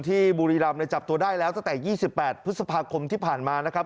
บุรีรำจับตัวได้แล้วตั้งแต่๒๘พฤษภาคมที่ผ่านมานะครับ